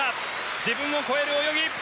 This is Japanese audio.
自分を超える泳ぎ。